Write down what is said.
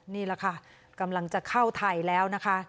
นี่แหละค่ะกำลังจะเข้าไทยแล้วนะคะ